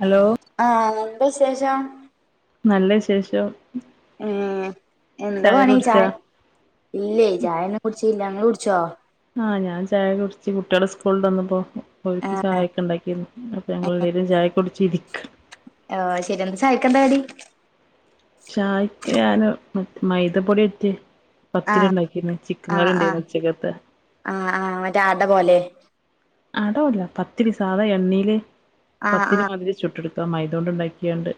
Hello ആഹ് എന്താ വിശേഷം? നല്ല വിശേഷം ഏഹ് എന്താ പണി ചായ ഇല്ലേ ചായ ഒന്നും കുടിച്ചീല്ല ഇങ്ങള് കുടിച്ചോ? ആഹ് ഞാൻ ചായ കുടിച്ച് കുട്ട്യേള് സ്കൂള് വിട്ട് വന്നപ്പോ ഓൽക്ക് ആഹ് ചായയൊക്കെ ഇണ്ടാക്കിയിരുന്നു അപ്പം ഞങ്ങളെല്ലാരും ചായക്കെ കുടിച്ചിരിക്കാ ആഹ് ശെരിയാണ് എന്താ ചായക്കെന്താ കടി ചായക്ക് ഞാന് മറ്റ് മൈദ പൊടി [unintelligible] പത്തിരി ആഹ് ഇണ്ടാക്കിരുന്ന് ചിക്കൻ ആഹ് കറി ആഹ് ഉണ്ടായിരുന്നു ഉച്ചക്കത്തെ ആഹ് ആഹ് മറ്റേ ആട പോലെ അടല്ല പത്തിരി സാധാ എണ്ണേല് ആഹ് പത്തിരി ആഹ് മതിരി ചുട്ടെടുക്ക് ഇപ്പൊ മൈത കൊണ്ട് ഇണ്ടാക്കിയോണ്ട്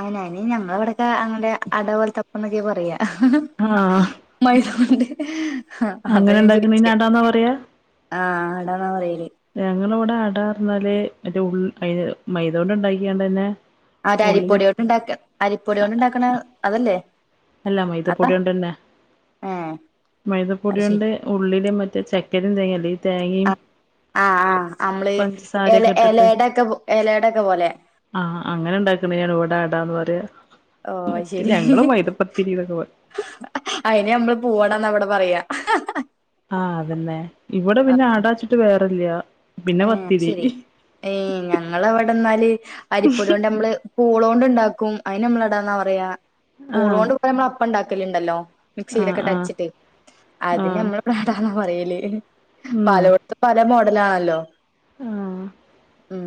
അങ്ങനെ അയിന് ഞങ്ങളെവിടൊക്കെ അങ്ങനെ അടപോലത്തപ്പം ന്നൊക്കെയാ പറയാ ആഹ് മൈദ കൊണ്ട് അങ്ങനെ ഇണ്ടാക്കണേന് അടാന്നാ പറയാ ആഹ് അടാന്ന പറയല് ഞങ്ങളിവിടെ അടാ പർഞ്ഞാല് മറ്റേ ഉള്ള് അയിന് മൈദ കൊണ്ട് ഇണ്ടാക്കിയാണ്ടെന്നെ ആഹ് ഒര് അരിപ്പൊടിയോണ്ട് ഇണ്ടാക്കാ അരിപ്പൊടിയോണ്ട് ഇണ്ടാക്കണ അതല്ലേ അല്ല അതാ മൈദപ്പൊടി കൊണ്ടെന്നെ ഏഹ് മൈദപ്പൊടി അത് ശരി കൊണ്ട് ഉള്ളില് മറ്റേ ചക്കരേം തേങ്ങയല്ല ഇത് ആഹ് ആഹ് ആഹ് അമ്മള് എല പഞ്ചസാരയൊക്കെ ഇട്ടിട്ട് എലയടെക്കെ എലയടെക്കെ പോലെ ആഹ് അങ്ങനെ ഇണ്ടാക്കണെയാണ് ഇവിടെ അടാന്ന് പറയാ ഓ മറ്റ് ശരി ഞങ്ങള് മൈദ ത്തിരിന്നൊക്കെ പറ അയിന് നമ്മള് പൂവടാന്നാ ഇവിടെ പറയാ ആ ആ ആഹ് അതന്നെ ഇവിടെ പിന്നെ ആടാച്ചിട്ട് വേറില്ല്യ പിന്നെ പത്തിരി ഏയ് ഞങ്ങളവടെന്നാല് അരിപ്പൊടി കൊണ്ട് നമ്മള് പൂളോണ്ട് ഇണ്ടാക്കും അയ്ന് നമ്മളടാന്നാ പറയാ പുളോ ആഹ് കൊണ്ട് ഇപ്പ ഞമ്മള് അപ്പ ഇണ്ടാക്കലിണ്ടല്ലോ ആഹ് ആഹ് [unintelligible] അതിന് ആഹ് നമ്മള് പാടാന്നാ പറയല് ഉം പാലോ പല മോഡല് ആണല്ലോ ആഹ് ഉം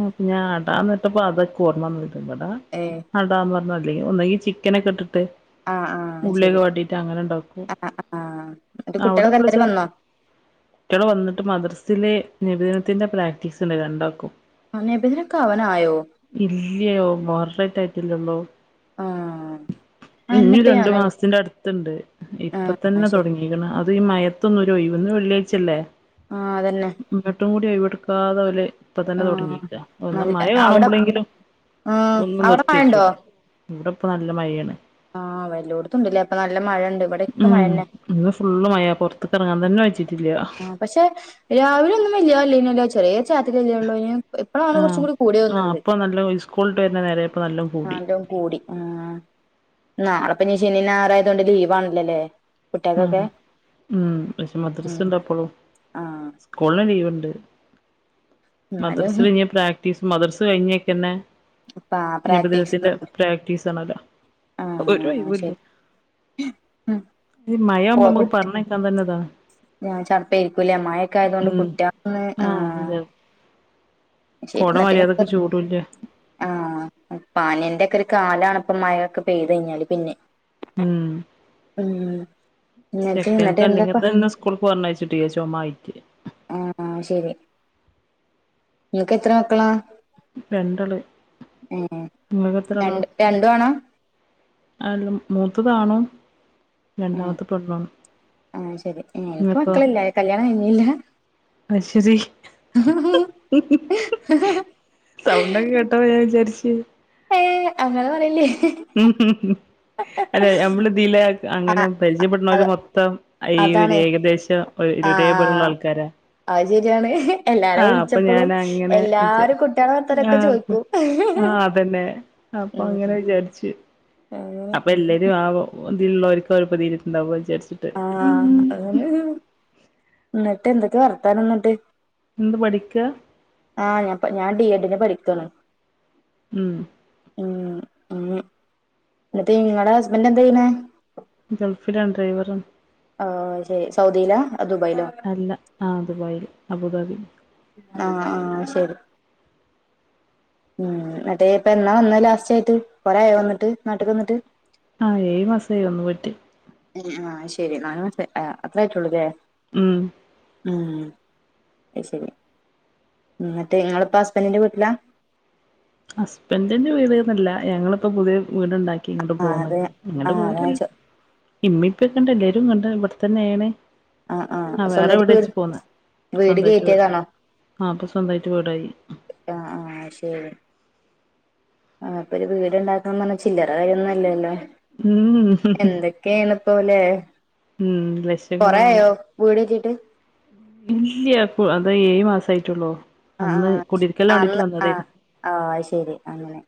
ആഹ് ഞാൻ അടാന്ന് കേട്ടപ്പോ അതൊക്കെ ഓർമ്മ വന്നിട്ടാ ഇവിടെ ഏ അടാന്ന് പറഞ്ഞ [unintelligible] ഒന്നകി ചിക്കനൊക്കെ ഇട്ടിട്ട് ആ ആ ഉള്ളിയൊക്ക ശരി വാട്ടീട്ട് അങ്ങനെ ഇണ്ടാക്കും ആ ആ എന്നിട്ട് അവിടെ കുട്ടികളൊക്കെ എല്ലാരും എപ്പിളിച്ചാ വന്നോ കുട്ടിയള് വന്നിട്ട് മദ്രസില് നെബിദിനത്തിന്റെ പ്രാക്ടീസ് ഇണ്ട് രണ്ടാക്കും ആ [unintelligible] കവനായോ ഇല്ല്യയൊ മോററേറ്റ് ആയിട്ടില്ലള്ളോ ആ ഇനിയും അന്നപ്പ രണ്ടു ഞാന മാസത്തിന്റെ അടുത്തുണ്ട് ആ ഇപ്പ ആ തന്നെ ശരി തൊടങ്ങി ങ്ങിക്കണ് അത് ഈ മയത്തൊന്നും ഒരു ഒയിവ് ഇന്ന് വെള്ളിയാഴ്ചല്ലേ ആഹ് അതന്നെ എന്നിട്ടും കൂടി ഒയിവ് എടുക്കാതെ അവല് ഇപ്പൊ തന്നെ തു ആഹ് [unintelligible] ക ഒന്ന് നല്ല മയ അവിടെ കാണുമ്പളെങ്കിലും ഉം ഒന്ന് അവിടെ നിർത്തി മഴണ്ടോ വച്ചുടെ ഇവിടെ ഇപ്പ നല്ല മഴയാണ് ആഹ് വെല്ലോടുത്തുണ്ടല്ലേ അപ്പ നല്ല മഴ ഇണ്ട് ഇവിടെയൊക്കെ ഉം മഴന്നെ ഇന്ന് ഫുള്ള് മയാ പൊറത്തിട്ട് എറങ്ങാൻ തന്നെ പറ്റിട്ടില്ല്യ ആഹ് പക്ഷെ രാവിലെ ഒന്നും വെല്ല്യ മയന്നല്ല ചെറിയെ ചാറ്റല്ലല്ലെ ഒള്ളു അയ്ന് എപ്പഴാണ് കൊറച്ചും ആഹ് കൂടി ആഹ് കൂടിതോന്നുണ്ട് അപ്പൊ നല്ല സ്കൂളിട്ട് വരുന്ന നേരം ഇപ്പ നല്ല ആ കൂടി [unintelligible] കൂടി ആഹ് നാളപ്പിനി ശെനി നായർ ആയത് കൊണ്ട് ലീവാണല്ലോ അല്ലെ ഉം ഉം ഓല്ക്ക് മദർസ് ഉം ഇണ്ടപ്പളും ആഹ് സ്കൂളിന് ലീവിണ്ട് എന്നാലും മദ്രസില് ഇനി പ്ര [unintelligible] മദർസ് കൈഞ്ഞെക്കെന്നെ പാ പ്രാക്ടീസ് നെബിദിനത്തിന്റെ പ്രാക്ടീസ് അണല്ലോ ഒരു ആഹ് ഒയിവും ഇല്ല ശരി ഉം ഈ മഴ ആവുമ്പോ മ്മക്ക് പറഞ്ഞക്കാ തന്നിതാ ഞാൻ ചടപ്പെ ഇരിക്കൂല്ലേ മയൊക്കെ ആയതുകൊണ്ട് കുട്ടി അക്കിന്ന് ആഹ് ശെരി കൊട എന്നിട്ട് ഇങ്ങനെ മര്യാദക്ക് പറ ചൂടൂല്ല ആഹ് പാനീന്റെ ഒക്കെ ഒരു കാലാണ് ഇപ്പം മയ ഒക്കെ പെയ്ത് കൈഞ്ഞാല് പിന്നെ ഉം ഏഹ് ചെക്കന്ക്ക് അല്ലെങ്കി തന്നെ സ്കൂൾക്ക് പറഞ്ഞയച്ചിട്ടില്ല ചൊമ ആയിട്ട് ആഹ് ആഹ് ശെരി ഇങ്ങക്ക് എത്ര മക്കളാ രണ്ടാള് ഏഹ് നിങ്ങൾക്ക് എത്ര രണ്ട് രണ്ടു ആണ ആല്ലം മൂത്തതാണോ ഉം ആഹ് ശെരി എനിക്ക് നിങ്ങക്കോ മക്കളില്ല കല്യാണം കഴിഞ്ഞില്ല അശ്യതി സൗണ്ടൊക്കെ കേട്ടപ്പ ഞാൻ വിചാരിച്ചു ഏഹ് അങ്ങനെ പറയില്ലേ ഉം ഉം ഉം അതെ നമ്മള് ഇതില് അങ്ങനെ ആഹ് അത് പരിചയപ്പെട്ണോര് മൊത്തം ഈ ഒരു അതാണ് ഏകദേശം ഒ ആഹ് ഒരുതെ പോലുള്ള ആഹ് ആൾക്കാരാ അത് ശരിയാണ് എല്ലാരെ ആഹ് അപ്പൊ വിളിച്ചപ്പളും ഞാൻ അങ്ങനെ വിചാ എല്ലാരും കുട്ടികളെ വർത്താനൊക്കെ ആഹ് ചോദിക്കും ആഹ് അതന്നെ അപ്പൊ ഉം അങ്ങനെ വിചാരിച്ചു [unintelligible] അപ്പൊ എല്ലാരും ആഹ് ഒ ഇതില്ലിളോർക്കും അവര് [unintelligible] വിചാരിച്ച് ആഹ് അതാണ് ന്നിട്ട് എന്തൊക്കെ വർത്താനന്നിട്ട് എന്താ പഠിക്ക ആഹ് ഞാൻ ബിഎഡിന് പഠിക്കാണ് ഉം ഉം ഉം എന്നിട്ട് നിങ്ങടെ ഹസ്ബൻ്റ് എന്താ ചെയ്യണേ ഗൾഫിലാ ഡ്രൈവറാ ആഹ് ശരി സൗദിയിലാ ദുബായിലോ അല്ല ആഹ് ദുബായില് അബുദാബി ആഹ് ആഹ് ശരി ഉം മറ്റേ ഇപ്പ എന്നാ വന്ന ലാസ്റ്റ് ആയിട്ട് കൊറെ ആയോ വന്നിട്ട് നാട്ടക്ക് വന്നിട്ട് ആഹ് ഏഴ് മാസം ആയി വന്ന് പോയിട്ട് ആഹ് ശെരി നാല് മാസ അത്രായിട്ടുള്ളൂല്ലേ ഉം ഉ ആഹ് ശരി എന്നിട്ട് നിങ്ങളിപ്പം ഹസ്ബൻഡിന്റെ വീട്ടിലാ ഹസ്ബൻഡിന്റെ വീട്ന്നല്ല ഞങ്ങളിപ്പോ പുതിയ വീടുണ്ടാക്കി ഇങ്ങോട്ട് ആഹ് പോന്ന് അതെ ഇങ്ങോട്ട് ആഹ് അതാ ഞാൻ പോരല്ല ചോ ഇമ്മ ഇപ്പൊക്കണ്ട് എല്ലാരും ഇണ്ട് ഇവിടെത്തന്നെയാണ് ആഹ് വേറെ വീട് വെച്ച് പോന്നേ ഇപ്പ വീട് സ്വന്തമായിട്ട് കയറ്റിയതാണോ ആഹ് ഇപ്പൊ സ്വന്തമായിട്ട് വീടായി ആഹ് ആഹ് ശരി ആഹ് അപ്പൊ ഒരു വീട്ണ്ടാക്കണം പറഞ്ഞ ചില്ലറ കാര്യൊന്നും അല്ലല്ലോ ഉം കേനത്തോല്ലേ ഉം ലക്ഷങ്ങള് കൊറേ വാണം ആയോ വീട് കിട്ടിട്ട് ഇല്ല്യ അപ്പോ അതേ ഏഴ് മാസ ആയിട്ടുള്ളൂ ആഹ് ആഹ് അന്ന് ആഹ് ആഹ് ശരി അങ്ങനെ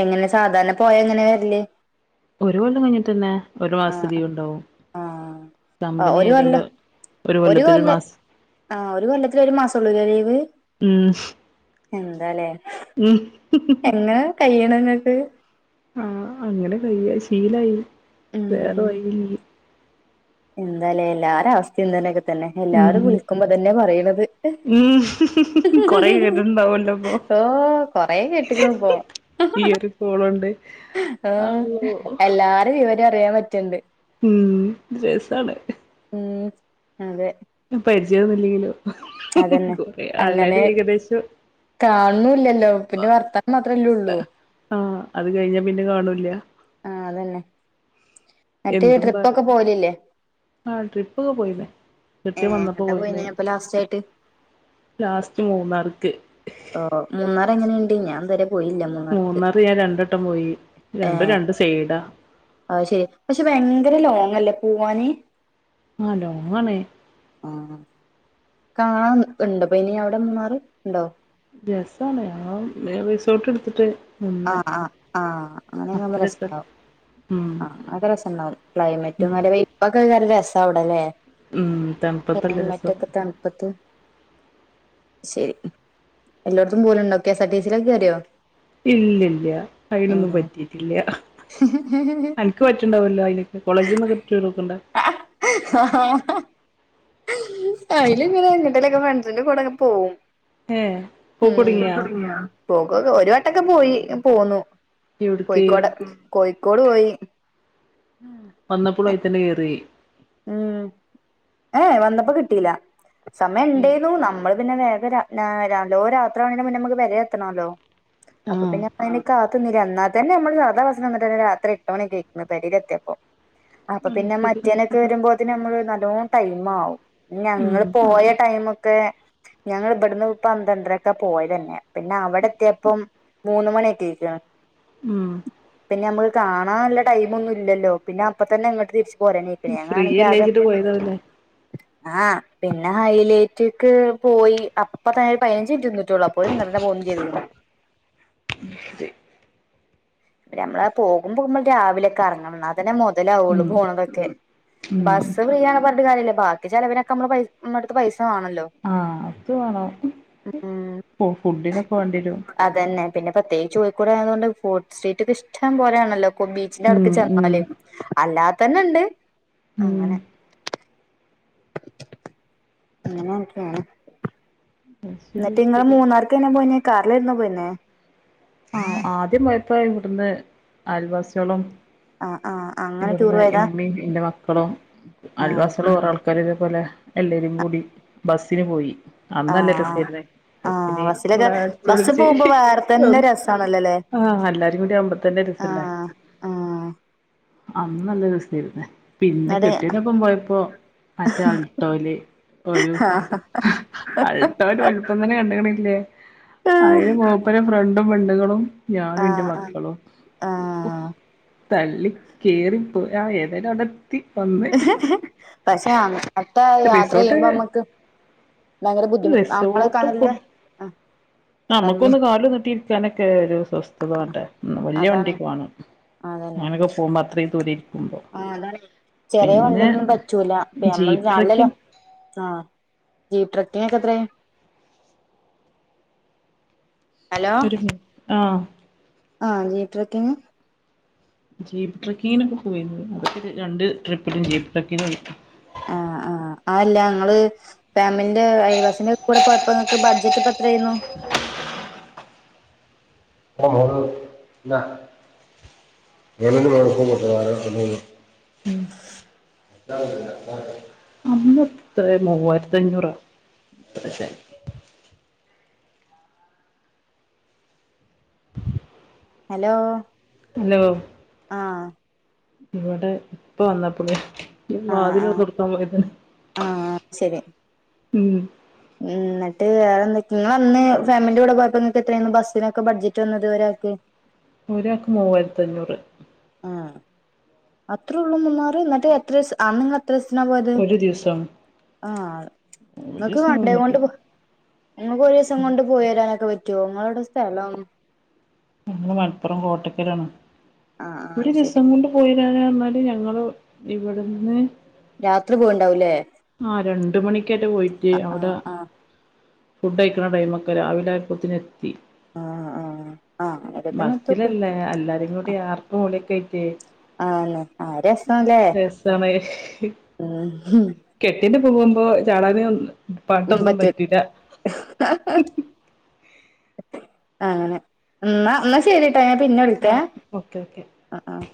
എങ്ങനെ സാധാരണ പോയ എങ്ങനെ വരല് ഒരു കൊല്ലം കഴിഞ്ഞിട്ടന്നെ ഒരു ആ മാസത്തെ ലീവ് ഉണ്ടാവും ആ ആ കമ്പനി ഒരു ആയതുകൊണ്ട് ഒരു കൊല്ലത്തിലൊരു മാസം ആഹ് ഒരു കൊല്ലത്തില് ഒരു മാസം ഉള്ളൂല്ലേ ലീവ് ഉം എന്താലേ ഉം എങ്ങനെ കഴിയുണ് ഇങ്ങക്ക് ആഹ് അങ്ങനെ കഴിയാ ശീലായി വേറെ ഉം വഴിയി എന്താലേ എല്ലാരേ അവസ്ഥ [unintelligible] തന്നെ ഉം എല്ലാരും വിളിക്കുമ്പോ ഇതന്നെയാ പറയണത് ഉം കൊറെ കേട്ടിട്ടുണ്ടാവല്ലോ അപ്പൊ ഓ കൊറെ കേട്ടിക്കണ് ഇപ്പോ ഈ ഒരു മോളുണ്ട് ആഹ് എല്ലാരും വിവരം അറിയാൻ പറ്റണ്ട് ഉം രസാണ് ഉം അതെ പരിചയ ഒന്നുമില്ലെങ്കിലോ അതന്നെ കുറെ അല്ലാരും ഏകദേശം കാണുണില്ലല്ലോ പിന്നെ വർത്താനം മാത്രമല്ലേ ഉള്ളൂ ആഹ് അത് കഴിഞ്ഞാ പിന്നെ കാണൂല്ല ആ അതന്നെ ന്നട്ട് എന്തും ട്രിപ്പ് പറ ഒക്കെ പോവലില്ലേ ആഹ് ട്രിപ്പൊക്കെ പോയിന്ന് കെട്ടിയോൻ ഏഹ് വന്നപ്പോ എങ്ങട്ടാ പോയിന്നേ പോയിനെ ഇപ്പൊ ലാസ്റ്റ് ആയിട്ട് ലാസ്റ്റ് മൂന്നാർക്ക് ഓ മൂന്നാർ എങ്ങനെയുണ്ട് ഞാൻ ഇതുവരെ പോയില്ല മൂന്നാർക്ക് മൂന്നാറ് ഞാൻ രണ്ടു വട്ടം പോയി രണ്ടും രണ്ട് സൈഡാ അ ഹ്‌ ശരി പക്ഷെ ഭയങ്കര ലോങ് അല്ലേ പോവാന് ആ ലോങ്ങാണ് ആ കാണാ ഉണ്ടപ്പ ഇനി അവിടെ മൂ ന്നാറ് ഉണ്ടോ രസാ ണ് ഞങ്ങൾ റിസോട്ട് എടുത്തിട്ട് നിന്ന്. ആഹ് ആ ആ അങ്ങനെ അപ്പ നല്ല രസാ രസണ്ടാവും ഉം ആഹ അതെ ക്കെ രസംുണ്ടാാവും ഉം ക്ലൈമറ്റുംങ്ങ ഇപ്പൊക്കെ രസ അവിടല്ലേ ഉം ക്ല യി തണുപ്പത്തല്ല രസം. മറ്റൊക്കെ തണുപ്പത്ത് ശരി എല്ലായിടത്തും പോലുംണ്ടോ കെ എസ് ആർ ടി സിയിൽ ഒക്കെ കേറി യോ ഇല്ലല്ല അയിനൊന്നും പറ്റിട്ടില്ല അ നക്ക് പറ്റണ്ടാവല്ലോ അതിനൊക്കെ കോളേജിൽന്ന്കറക്റ്റ് ണ്ടല്ലോ ആ ആ അയി ല് ങ്ങനെ എങ്ങോ ട്ടേലൊക്കെ ഫ്രണ്ടസിന്റെ കൂടെക്കെ പോവും ഏഹ് ഉം പോക്കൊടുങ്ങിയാ പോക ഒരു വട്ടൊക്കെ പോയി പോന്നു എവിട്ക്ക് കോഴിക്കോട് കോഴിക്കോട് പോയി വന്നപ്പോളും അയിത്തന്നെ കേറി ഉം ഏ വന്നപ്പോ കിട്ടിയില്ല സമയം ഏഹ് ഉണ്ടരുന്നു നമ്മൾ പിന്നെ വേഗ വരാ നല്ലോ രാത്രി ആണെന്റെ മുന്നേ നമുക്ക് പെ രെ എത്തണല്ലോ അപ്പൊ ആഹ് പിന്നെ അയ് ന് കാ ത്ത്ന്നില എന്നാ തന്നെ നമ്മൾ സദാ ബസ്സ് വന്നിട്ടെ രാത്രി എട്ട മണിൊക്കെയ് ക്ക്‌ ണ് പെ രിയിലത്തിയപ്പോൊ അപ്പൊ അത് പിന്നെ ശരി മറ്റേ വരുമ്പോന് നമ്മള് നല്ലോണം ടൈം ആകവും ഉം ഞങ്ങള് പോയ ടൈമ ഒക്കെ ഞങ്ങ ൾ ഇബ ടുന്ന് പ ന്ത്രണ്ട രക്ക പോയ തന്നെ പിന്നെ അവിട എത്തിയപ്പം മൂന്ന മണിയൊക്കെ ക്കാണ് ഉം പിന്നെ നമ്മക്ക് കാണാനുള്ള ടൈം ഒന്നും ഇല്ല ല്ലോ പിന്നെ അപ്പ തന്നെ അങ്ങട്ട തിരിച്ച് പോരണ്യ് പിന്നെ ഞ ഫ്രീ ങ്ങാണെങ്കി ൽ ആക അല്ലേച്ചിട്ട് പോയതാവുല്ലേ. ആഹ പിന്നെ ഹൈലേറ്റക്ക് പോയി അപ്പ തന്ന പതിനഞ്ച്റ്റ് നിന്നിട്ടുള്ളു അ പോത്തി ന് ഇങ്ങോട്ടെന്നെ പോന്നും ചെയ്ത് ണ് നമ്മെ പോകുമ്പോ നമ്മൾ രാവിലൊക്കെ ഇറങ്ങണം അങ്ങനെ മുതലാവു ള്ളു ഉം പോണതൊക്കെ ഉം ബസ്സ് ഫ്രീ ആണ് പറഞ്ഞ ട്ട് കാര്യല്ലേ ബാക്ക ചിലവനൊക്കെ നമ്മള് നമ്മ അടുത്ത് പൈസ വാ ണല്ലോ ആഹ അത് വേണംോ ഫുഡിനൊക്കെ വേണ്ടിരും അതന്നെ പിന്നെ പ്രത്യേകിച്ച്കോഴിക്കോട് ആായതുകൊണ്ട് ഫുഡ് സ്ട്രീറ്റ് ഒക്ക ഇഷ്ടം പോലെയാണല്ലോ ബീച്ചിന്റെ അടത്ത് ഉം ഉം ചെന്നാലേ അല്ലാത് തന്നെ ഉണ്ട് ഉം അങ്ങനെ അ ങ്ങനെ ഒക്കെ ആണ് അത് ശരി എന്നിട്ട് ഇങ്ങള് മൂന്നാർക്ക്നാ പോയിനേ കാറിലാ യി രുന്നോ പോയിന്നേ ആ ആദ്യം പോയപ്പ ഇവിടുന്ന് അയൽവാസയോളം ആ ആ അങ്ങനെ ടൂർ ഇവിടുന്ന് ഇ പോയതാ മ്മീം എന്റെ മക്കളും ആ അയ ൽിവാസികൾ കുറെ ആൾ ആക്കാരതേ പോലെ എല്ലരും കൂടി ബസ്സിന് പോയി അന്ന് നല്ല ആഹ രസായിരുന്നു ആ ആഹ ബസ്സിന് ബസ്സിലൊക്കെ നമ്മള് അടിച്ച് ബസ്സിൽ പോകുമ്പോ വേറെ തന്നെ രസമാണല്ലോ അല്ലെ ആഹ എല്ലാരും കൂടി അമ്പത്തന്റെ ര സല്ലേ ആ അന്ന് നല്ല ര സായിരു ന്നേ പിന്നെ കെ എന്നിട്ട് ട്ടിയോ ന്റ പ്പം പോയപ്പോ മറ്റേ അ ൾട്ടോൽ ഒരു ആ [unintelligible] ഇ ഒരു വലുപ്പം തന്നെ കണ്ടണല്ലേ അതില് മുൂപ്പര ഫ്രണ്ടും പെണ്ണുുകളും ഞാനും ആ എന്റെ മക്കളും ആ ആ തള്ളി കയറിപ്പോയി ആ ഏതായാലും അവിടെ ത്തി വന്ന് പക്ഷെ അത്ത യാത്ര റിസോർട്ട് ചെയ്യുമ്പോ നമ്മക്ക് ഭയങ്കര ബുദ്ധിമു ആ നമ്മള റിസോർട്ട് കാണല്ലേ ഫുഡ് ആ പറഞ്ഞ നമുക്കൊന്ന് കാാല നിട്ടിയിരിക്കാനൊക്കെ ഒരു സ്വസ്ഥത വണ്ടേ വല്ിയ അതാണ് വണ്ടിക്ക്വാ ണം അ അതന്നെ ങ്ങ നൊക്കെ പോകുമ്പോ അത്രയും ദൂരം ഇരിക്കുമ്പോ ആ അതാണ് ചെറിയ വണ്ടി പിന്നെ യൊന്നും പറ്റൂല്ല അപ്പ നമ്മള് ജീപ്പ് നല്ലല്ലോ ട്രക്കിങ് ആഹ് ജീപ്പ് ട്രക്കിംഗിന് എത്രേ ഒരു മിൻ ആഹ് [unintelligible] ആഹ് ജീപ്പ് ട്രക്കിംഗ് ജീപ്പ് ട്രക്കിങ്ങിനൊക്കെ പോയിരുന്നു അതൊക്ക രണ്ട് ട്രിപ്പിലും ജീപ്പ് ട്രക്കിന് പോയി ആഹ് ആഹ് അയല്ല ഇങ്ങള് ഫാമിന്റെ അയൽവാസിന്റെ കൂടെ പോയപ്പോ നിങ്ങക്ക് ബഡ്ജറ്റ് അപ്പം എത്ര ആയിന്നു ഇന്നാ [unintelligible] മം [unintelligible] അന്ന് എത്രെ മൂവായിരത്തി അഞ്ഞൂറ- [unintelligible] ഹലോ ഹലോ ആഹ് ഇവിടെ ഇപ്പം വന്നപ്പള് ഞാൻ ആ ആ വാതില് തുറന്ന് കൊടുക്കാൻ പോയതാ ആ മം മം എന്നിട്ട് വേറെ എന്തൊക്കെയാ ഇങ്ങള് അന്ന് ഫാമിലിൻ്റെ കൂടെ പോയപ്പോ നിങ്ങക്ക് എത്രയരുന്നു ബസ്സിനൊക്കെ ബഡ്ജറ്റ് വന്നത് ഒരാക്ക് ഒരാക്ക് മൂവായിരത്തിഅഞ്ഞൂറ് ആഹ് അത്രേ ഉള്ളൂ മൂന്നാറ് എന്നിട്ട് എത്ര ദിവസം അന്ന് [unintelligible] എത്ര ദിവസം തിന് പോയത് ഒരു ദിവസാണ് ആഹ് ഒരു നിങ്ങക്ക് ദിവസം വണ്ടിയും നിന്നിട്ട് കൊണ്ട് പോ ഇങ്ങക്ക് ഒരു ദിവസം കൊണ്ട് പോയി വരാനൊക്കെ പറ്റുവോ ഇങ്ങള് എവിടാ സ്ഥലം ഞങ്ങള് മലപ്പുറം കോട്ടക്കൽ ആഹ് ഒരു ആഹ് ശരി ദിവസം കൊണ്ട് പോയിവരാം എന്നാലും ഞങ്ങള് ഇവിടുന്ന് രാത്രി പോയിണ്ടാവൂല്ലേ ആഹ് രണ്ടുമണിക്കാട്ട് പോയിട്ട് അവിടെ ആഹ് ആഹ് ഫുഡ് കഴിക്കണ ടൈമൊക്കെ രാവിലെ ആയപ്പോത്തേന്ന് എത്തി ആഹ് ആഹ് ആഹ് അവി ബസ്സിലല്ലേ എല്ലാരും കൂടി ആർപ്പ് വിളിയൊക്കെ ആയിട്ടെ ആണല്ലേ ആഹ് രസാല്ലേ രസാണ് കെട്ടിയിന്റെ ഒപ്പം പോകുമ്പോ ചാടാന് പാട്ടൊന്നും പറ്റും പറ്റൂല [unintelligible] ആഹ് അങ്ങനെ എന്നാ എന്നാ ശരി ട്ട ഞാൻ പിന്നെ വിളിക്ക ആഹ് ഏഹ് ഓക്കെ ഓക്കെ ആഹ് ആഹ്